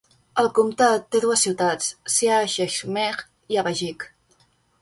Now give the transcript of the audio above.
El comtat té dues ciutats: Siah Cheshmeh i Avajiq.